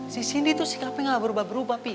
si sindi tuh sikapnya gak berubah berubah pi